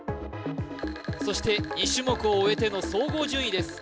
そして２種目を終えての総合順位です